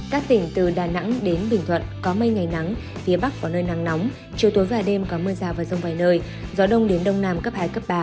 các tỉnh từ đà nẵng đến bình thuận có mây ngày nắng phía bắc có nơi nắng nóng chiều tối và đêm có mưa rào và rông vài nơi gió đông đến đông nam cấp hai cấp ba